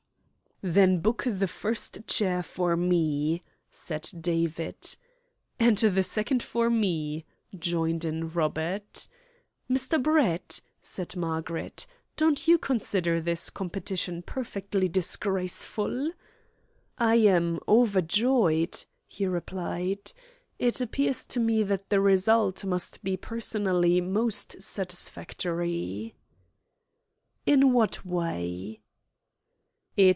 "Then book the first chair for me!" said David. "And the second for me!" joined in Robert. "Mr. Brett," said Margaret, "don't you consider this competition perfectly disgraceful?" "I am overjoyed," he replied. "It appears to me that the result must be personally most satisfactory." "In what way?"